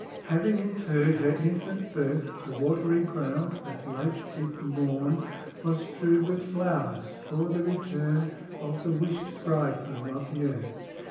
"Having interr'd her infant birth, The watery ground that late did mourn Was strew'd with flowers for the return Of the wish'd bridegroom of the earth.